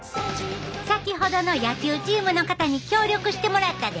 先ほどの野球チームの方に協力してもらったで！